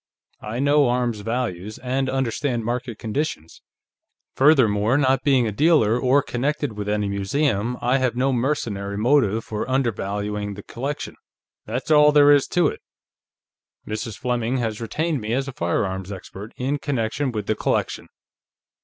I know arms values, and understand market conditions. Furthermore, not being a dealer, or connected with any museum, I have no mercenary motive for undervaluing the collection. That's all there is to it; Mrs. Fleming has retained me as a firearms expert, in connection with the collection."